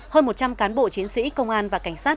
hơn một trăm linh cán bộ chiến sĩ công an và cảnh sát